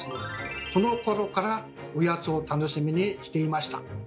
このころから御八つを楽しみにしていました。